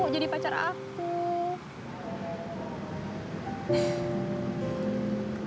jadi pacar aku